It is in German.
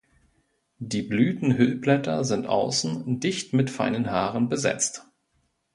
Die Blütenhüllblätter sind außen dicht mit feinen Haaren besetzt.